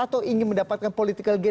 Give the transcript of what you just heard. atau ingin mendapatkan political gate